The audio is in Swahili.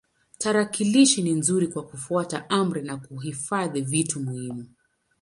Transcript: Tarakilishi ni nzuri kwa kufuata amri na kuhifadhi vitu muhimu.